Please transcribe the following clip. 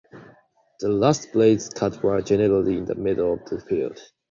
The last blades cut were generally in the middle of the field.